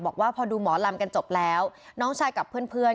บอกว่าพอดูหมอลำกันจบแล้วน้องชายกับเพื่อน